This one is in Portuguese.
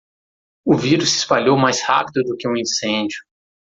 O vírus se espalhou mais rápido do que um incêndio.